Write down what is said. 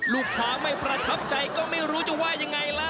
ลูกค้าไม่พระทับใจก็ไม่รู้ว่าจะว่ายอย่างไรล่ะครับ